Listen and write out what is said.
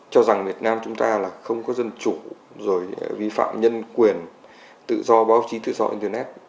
cho rằng việt nam chúng ta là không có dân chủ rồi vi phạm nhân quyền tự do báo chí tự do internet